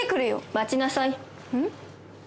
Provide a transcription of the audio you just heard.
待ちなさいうん？